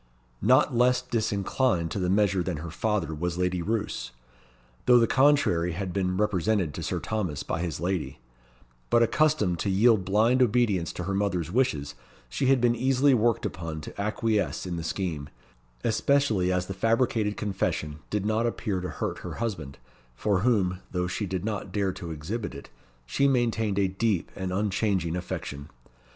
Not less disinclined to the measure than her father was Lady Roos, though the contrary had been represented to Sir Thomas by his lady; but accustomed to yield blind obedience to her mother's wishes, she had been easily worked upon to acquiesce in the scheme, especially as the fabricated confession did not appear to hurt her husband, for whom (though she did not dare to exhibit it) she maintained a deep and unchanging affection.